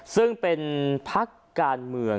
ซึ่งเป็นพักการเมือง